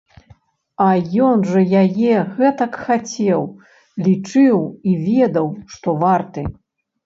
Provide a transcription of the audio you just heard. А ён жа яе гэтак хацеў, лічыў і ведаў, што варты.